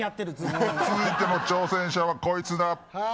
続いての挑戦者はこいつだ。